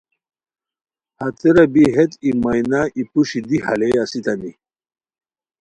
ہتیرا بی ہیت ای مینا ای پوشی دی ہالے اسیتانی